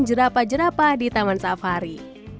jerapa jerapa di taman safari